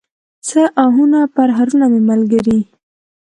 څه آهونه، پرهرونه مې ملګري